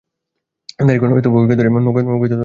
দাঁড়িগণ উভয়কে ধরিয়া নৌকায় তুলিয়া তৎক্ষণাৎ নৌকা ছাড়িয়া দিল।